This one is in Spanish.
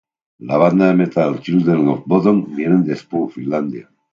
La banda de metal Children of Bodom viene de Espoo, Finlandia.